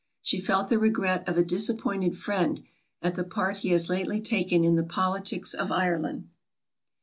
She felt the regret of a disappointed friend, at the part he has lately taken in the politics of Ireland.